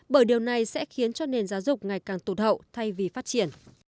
bởi điều này sẽ khiến cho nền giáo dục ngày càng tụt hậu thay vì phát triển